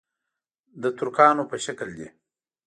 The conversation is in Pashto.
د ترکانو په شکل دي.